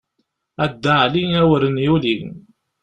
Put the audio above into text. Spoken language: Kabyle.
A Dda Ɛli awren yuli.